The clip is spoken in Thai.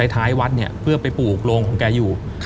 ท้ายวัดเนี่ยเพื่อไปปลูกโรงของแกอยู่